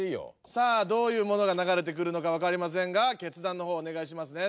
さあどういうものが流れてくるのかわかりませんが決断のほうをおねがいしますね。